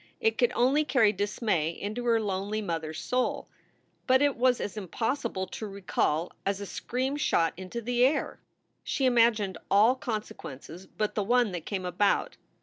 It could only carry dismay into her lonely mother s soul. But it was as impossible to recall as a scream shot into the air. She imagined all consequences but the one that came about.